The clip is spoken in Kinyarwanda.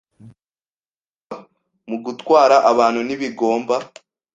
bwitabazwa mu gutwara abantu ntibigomba